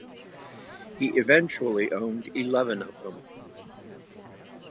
He eventually owned eleven of them.